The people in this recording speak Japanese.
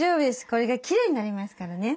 これがきれいになりますからね。